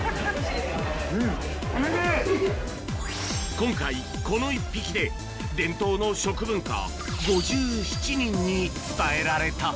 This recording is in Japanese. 今回、この１匹で伝統の食文化を５７人に伝えられた。